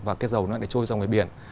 và cái dầu nó lại trôi ra ngoài biển